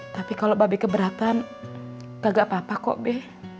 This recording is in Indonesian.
tapi kalau babi keberatan kagak apa apa kok be